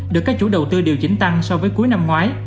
được các chủ đầu tư điều chỉnh tăng so với cuối năm ngoái